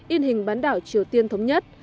in hình bán đảo triều tiên thống nhất